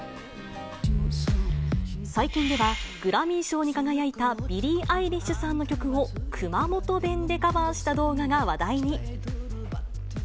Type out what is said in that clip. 最近では、グラミー賞に輝いたビリー・アイリッシュさんの曲を熊本弁でカバーした動画が話題に。